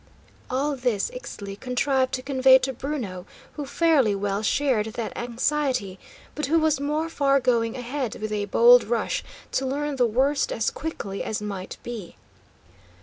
All this Ixtli contrived to convey to Bruno, who fairly well shared that anxiety, but who was more for going ahead with a bold rush, to learn the worst as quickly as might be.